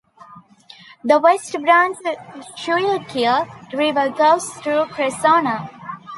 The West Branch Schuylkill River goes through Cressona.